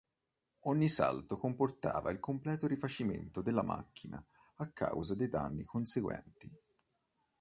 Ogni salto comportava il completo rifacimento della macchina a causa dei danni conseguenti.